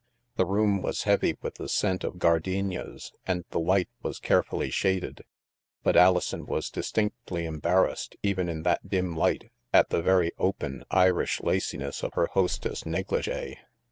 The room was heavy with the scent of gardenias, and the light was care fully shaded, but Alison was distinctly embarrassed, even in that dim light, at the very open Irish laci ness of her hostess' negligee.